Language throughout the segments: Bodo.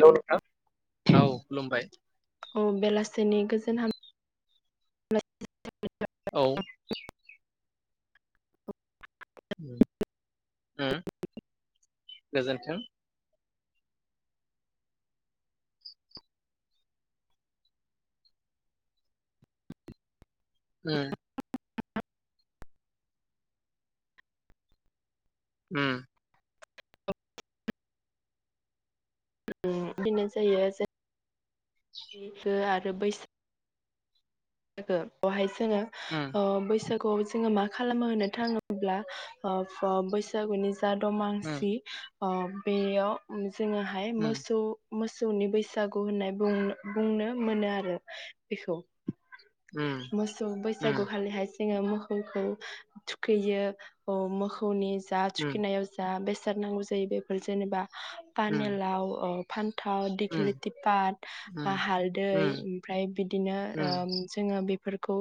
हेल' नोंथां औ खुलुमबाय जों हाम [unintelligible] औ उम गोजोन्थों उम [inaudible] उम उम बेनो जायो [unintelligible] [unintelligible] जोङो‌ उम ओ बैसा खौ जोंङो मा खालामो होननो थाङोब्ला ओ बैसागुनि जा उम दमांसि ओ बेयाव जोङोहाय मोसौ मोसौनि बैसागु होननाय बुंनो बुंनो मोनो आरो बेखौ। उम उम मोसौ उम बैसागु खाालि हाय जोङो मोखौखौ थुखैयो मोखौनि जा उम थुखिनायाव जा बे साद नांगौ जायो बेफोर जेनेबा उम पानेलाव ओ फानथाव उम दिख्लिथिपाट बा हालदै उम ओमफ्राय बिदिनो ओ उम जोङो बे फोरखौ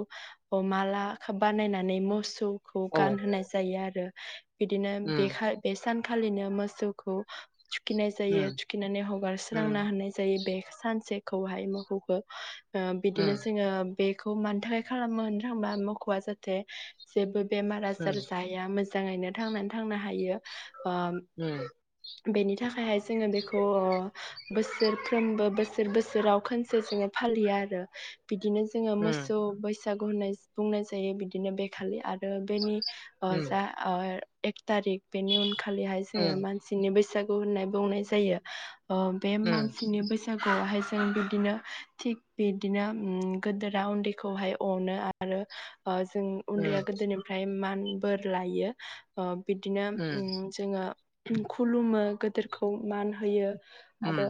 ओ माला बानायनानै मोसौ खौ औ गानहोनाय जायो आरो बिदिनो उम बेखाय बे सान खालिनो मोसौखौ थुखिनाय जायो उम थुखिनानै हगारस्रांना उम होनाय जायो बे सानसे खौहाय मौखौखो ओ उम बिदिनो ओ बेखौ मानि थाखाय खालामो होननो थांबा मोखौआ जाहाथे जेबो बेमार उम आजार जाया मो जाङैनो थांनानै थांनो हायो बा बेनि थाखायहाय जोङो बेखौ बोसोरफ्रोमबो बोसोर बोसोराव खनसे जोङो फालियो आरो बिदिनो जोङो उम मोसौ बैसा बैसागु होननाय बुंनाय जायो बिदिनो बेखालि आ रो बेनि अ उम जा एक तारिक बेनि उन खालिहाय जोङो मानसिनि बैस बैसागु होननाय बुंनाय जायो अ बे मानसिनि बैसागुआवहाय जों बिदिनो थिग बिदिनो उम गोदोरा उन्दैखौहाय अनो आरो ओ जों उन्दैया गोदोनिफ्राय मान बोर लायो ओ बिदिनो जोङो खुलुमो गोदोरखौ मान होयो आरो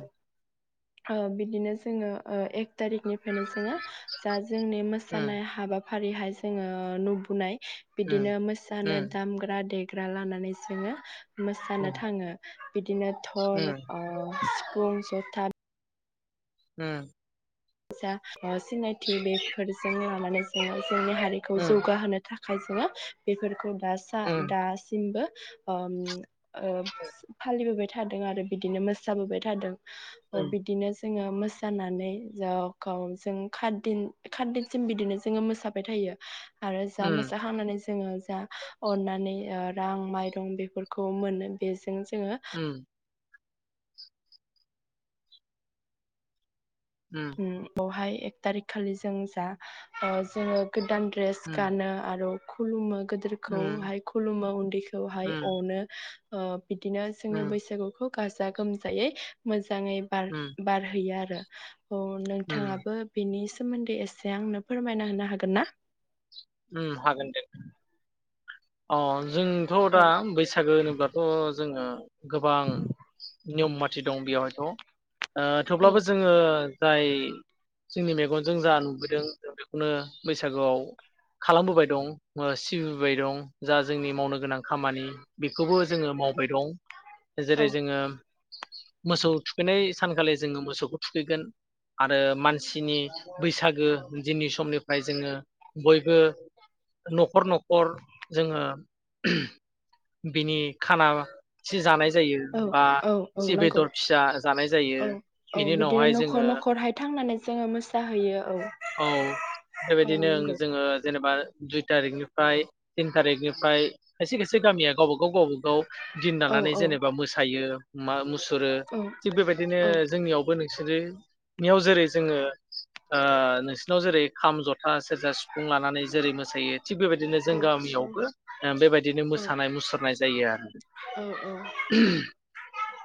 ओ बिदिनो जोङो ओ एक थारिखनिफ्रायनो जोङो जा जोंनि मोसानाय हाबा फारिहाय जोङो नुबोनाय बिदिनो मोसानो दामग्रा देग ग्रा लानानै जोङो मोसानो थाङो बिदिनो धल अ [unintelligible] जथा उम जा सिनायथि बेफोरजोंनो लानानै जोङो जोंनि हारिखौ जौगाहोनो थाख खाय जोङो बेफोरखौ दा सा दासिमबो ओ ओ फालिबोबाय थादों आरो बिदिनो मोसाबोबाय थादों। अ बिदिनो जोङो मोसानानै जाखौ जों खात दिन खात दिनसिम बिदिनो जोङो मोसाबाय थायो। आरो जा मोजाखांनानै जा जोङो जा अननानै ओ रां माइरं बेफोरखौ मोनो बेजों जोङो उम बावहाय एक थारिख खालि जों जा ओ जोङो गोदान द्रेस गानो आरो खुलुमो गोदोरखौहाय खुलुमो उन्दैखौहाय अनो। अ बिदिनो जोङो बैसागुखौ गाजा गोमजायै मोजां ङै उम उम बार-बारहैयो आरो [inaudible] अ उम नोंथाङाबो बेनि सोमोन्दै एसे आंनो फोरमायना होनो हागोन ना? उम हागोन दे अ जोंथ' दा औ बैसागो होनोब्लाथ' जोङो गोबां नियम माथि दं बेयावहायथ' ओ थेवब्लाबो औ जोङो जाय जोंनि मेगनजों जा नुबोदों जों बेखौनो बैसागोआव खालामबोबाय दं ओ सिबिबोबाय दं जा जोंनि मावनो गोनां खामानि बेखौबो जोङो मावबाय दं जेरै जोङो मोसौ थुखैनाय सानखालि जोङो मोसौखौ थुखैगोन आरो मानसिनि बैसागो दिननि समनिफ्राय जोङो बयबो न'खर न'खर जोङो बिनि खाना सि जानाय जायो औ बा औ औ एसे नांगौ बेदर फिसा जानाय जायो औ औ बेनि बिदिनो उनावहाय जोङो न'खर न'खरहाय थांनानै जोङो मोसाहैयो औ औ औ बेबायदिनो नंगौ जोङो जेनेबा दुइ थारिकनिफ्राय थिन थारिकनिफ्राय खायसे खायसे गामिया गावबा गाव गावबा गाव दिन औ लानानै औ जेनेबा मोसायो मा मु सुरो औ थिग बेबायदिनो औ जोंनियावबो बिस नियाव जेरै जोङो [unintelligible] नोंसिरनाव जेरै खाम जथ सेरजा सिफुं लानानै जेरै मो सायो थिग बेबायदिनो जों औ गामियावबो बेबायदिनो औ मोसानाय मुसुरनाय जायो आरो औ औ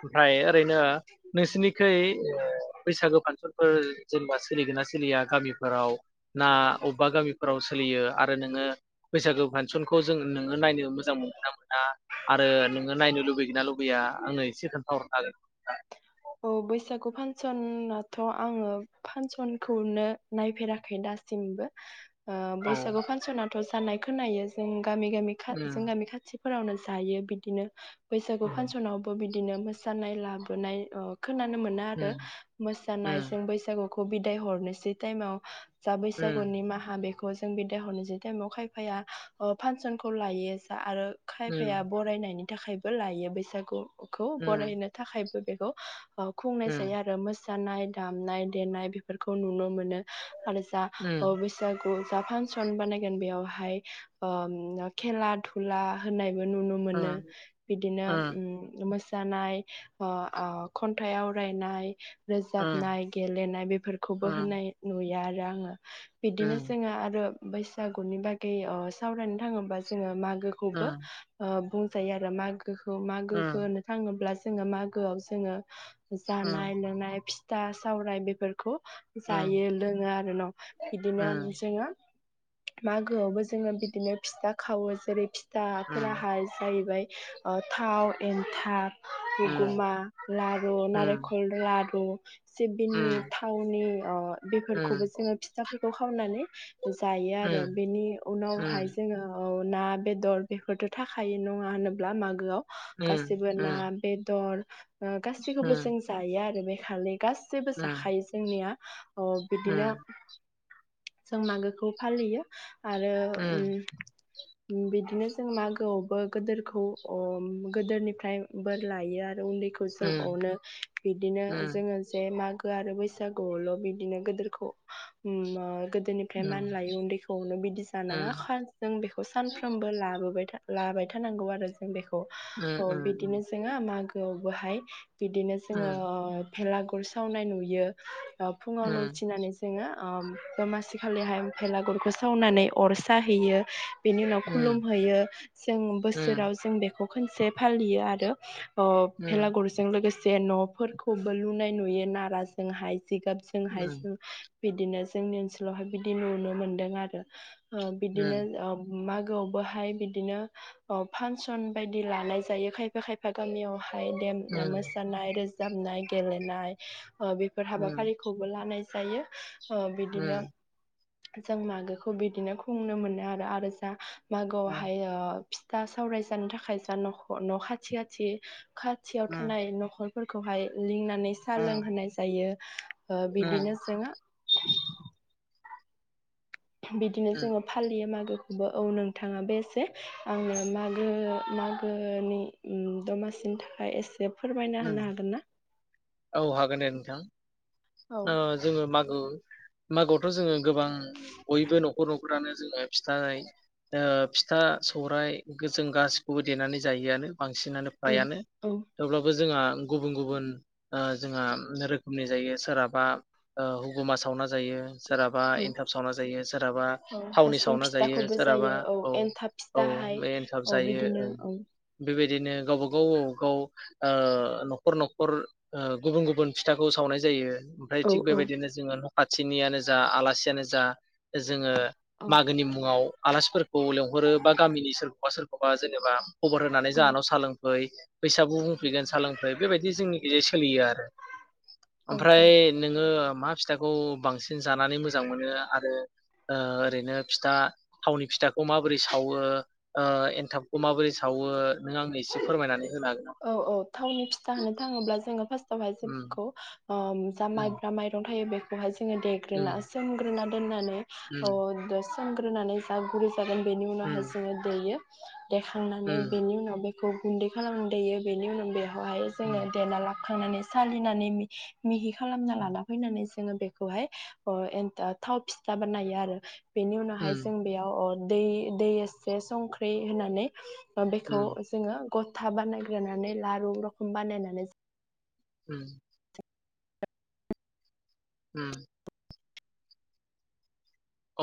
ओमफाय ओरैनो नोंसिनिखै ओ बैसागु फानसनफोर जेनेबा सोलिगोन ना सोलिया गामि फोराव ना अबबा गामिफोराव सोलियो आरो नोङो बैसागो फांसनखौ जों नोङो नायनो मोजां मोनगोन ना मोना आरो नोङो नायनो लुबैगोन ना लुबैया आंनो एसे खोन्थाहरनो हागोन औ बैसागु फानसनाथ' आङो फानसनखौनो नायफेराखै दासिमबो ओ औ बैसागु फांसनाथ' जानाय खोनायो जों गामि गामि खा जों उम गामि खाथि फोरावनो जायो बिदिनो बैसागु फानसनावबो बि दिनो मोसानाय लाबोनाय अ खोनानो मोना आरो उम मोसानाय उम जों बैसागु ख बिदाय हरनोसै टाइमाव जा उम बैसागुनि माहा बे ख जों बिदा हरनिसै थाइमाव खायफाया ओ फानसनखौ लायो जा आरो खायफाया बरायनायनि थाखायबो लायो बैसागु खौ उम बरायनो थाखाय दा बेखौ खुंनाय उम जायो आरो मो जानाय दामनाय देनाय बेफोरखौ नुनो मोनो। आरो जा अ उम बैसागु जा फानसन बानायगोन बेयावहाय ओम खेला दुला होनाय बोनुनो उम मोनो बिदिनो उम ओम मोस जानाय अ अ खन्थाइ आवरायनाय उम रोजाबनाय गेलेनाय बेफोरखौबो होनाय नुयो आर राङो उम बिदिनो जोङो आरो बैसागुनि बागै अ सावरायनो थाङोबा जोङो माग गो खौबो ओ बुं जायो आरो माग गौखौ मागोखो होनो थाङोब्ला जोङो मागोआव जोङो जानाय लोंनाय फि दा सावराय बेफोरखौ जायो लोङो आरो न' बिदिनो जोङो मागोआवबो जोङो बिदिनो फिथा खावो जेरै दाफोराहाय जाहैबाय ओ थाव एन्थाब हुगमा लारु नारेंखल लारु आरो उम सिबिंनि थावनि अ उम बेफोरखौबो जोङो फिथाफोरखौ खावनानै [inaudible] जायो औ आरो बेनि उनावहाय जोङो औ ना बेदर बेफोरथ' थाखायो नङा होनोब्ला मागोआव? गासिबो ना, बेदर ओ गासैखौबो जों जायो आरो बे खालि गासिबो जाखायो जोंनिया अ बिदिनो जों मागोखौ फालियो [inaudible] आरो उम बिदिनो जों मागोआवबो गोदोरखौ अ गोदोरनिफ्राय बोर लायो आरो उन्दै जोंनो अनो बिदिनो जोङो जे मा आरो बैसागुआवल' बिदिनो गोदोरखौ उम गोदोनिफ्राय मान लायो उन्दैखौनो बिदि जानाङा जों बेखौ सानफ्रामबो लाबोबाय लाबाय थानांगौ आरो जों बेखौ ओ बिदिनो जोङो मा [inaudible] बाहाय बिदिनो जोङो ओ भेलागुर सावनाय नुयो फुङावनो उथिनानै जोङो ओ दमासिखालिहाय फ्रायलागुरखौ सावनानै अर साहैयो बेनि उनाव खुलुम हैैयो जों बोसोराव जों बे खौ खोनसे फालियो आरो अ भेलागुरजों लोगोसे जे नफोरखौबो लुनाय नुयो नारा जोंहाय जिगाबजोंहाय जो बिदिनो जोंनि ओनसोलावहाय बिदि नुनो मोनदों आरो ओ बिदिनो मागो गोआवहाय बिदिनो फांसन बायदि लानाय जायो खायफा खायफा गामियावहाय ओइ देम मोसानाय रोज जाबनाय गेलेनाय ओ बेफोर हाबाफारिखौबो लानाय जायो अ बिदिनो जों मागोखौ बिदिनो खुंनो मोनो आरो आरो जा मागोआवहाय ओ फिथा सौवराय जानो थाखाय जा न न खाथि खाथि खाथियाव थानाय नखर फोरखौहाय लिंना नै साह लोंहाय जायो। ओ बिदिनो जोङो बिदिनो जोङो फालियो मागो बो औ नोंथाङा बे एसे आंनो मागो मागोनि दमासिनि थाखाय एसे फोरमायना होनो हागोन ना [unintelligible] औ ओ जोङो मागो मागोआवथ' जोङो गोबां बयबो नखर नखरानो जोङो फिथाय ओ फिथा सौराइ जों गासैखौबो देनानै जायो आरो। बांसिनानो औ फ्रायानो औ थेवब्लाबो जोंहा गुबुन गुबुन ओ जोंहा रोखोमनि जायो सोरहाबा ओ हुगुमा सावना जायो। सोरहाबा औ एन्थाब सावना जायो सोरहाबा औ थावनि हासुं सावना जायो फिथाखौबो सोरहाबा जायो औ एन्थाब औ फिथाहाय बे एनथाब औ जायो बिदिनो औ बेबायदि बिदिनो गावबा गाव गावबा गाव ओ नखर नखर ओ गुबुन गुबुन फिथाखौ सावनाय जायो। ओमफ्राय औ थि औ बेबायदिनो जोङो खााथिनियानो जा आलासियानो जा जोङो मागोनि मुङाव आलासिफोरखौ लेंहरो बा गामिनि सोरखौबा सोरखौबा जेनेबा खबर होनानै औ जाहानाव सा लों फै बैसागु सफैगोन सालोंफै बेबायदि जोंनि सोलियो आरो औ ओमफ्राय औ नोङो मा फिथाखौ बांसिन जानानै मोजां मोनो आरो ओ ओरैनो फिथा थावनि फिथाखौ माबोरै सावो ओ एनथाबखौ माबोरै सावो नों आंनो एसे फोरमायनानै होनो हागोन नामा? औ औ थावनि फिथा होनो थाङोब्ला जोङो फास्ट उम [unintelligible] ओ जा उम माइब्रा माइरं थायो बे [unintelligible] जोङो उम देग्रोना सोमग्रोना दोननानै अ [unintelligible] सोमग्रोनानै जागुरि जागोन बेनि उम उनावहाय जोङो देयो। [inaudible] देखांनानै उम बेनि उनाव बे खौ गुन्दै खालाम देयो बेनि उनाव बे हाय जोङो उम देना ला खांनानै सालिनानै मिहि खालामना उम लाना फैनानै जोङो बेखौहाय ओ एन थाव फिथा बानायो आरो बेनि उनावहाय उम जों बेयाव दै दै एसे संख्रि होनानै बेखौ उम जोङो गथा बानाय ग्रोनानै लारु रखम बानायनानै जों [unintelligible] उम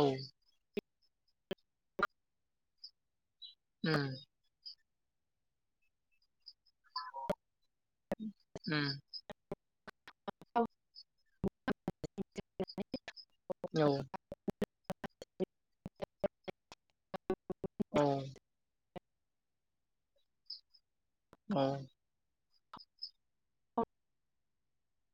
औ उम उम औ [unintelligible] औ [unintelligible] औ औ [unintelligible]